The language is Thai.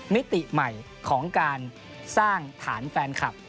มิติใหม่ของการสร้างฐานแฟนคลับ